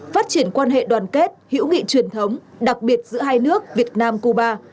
phát triển quan hệ đoàn kết hữu nghị truyền thống đặc biệt giữa hai nước việt nam cuba